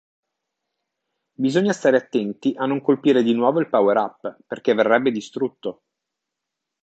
Bisogna stare attenti a non colpire di nuovo il power-up perché verrebbe distrutto.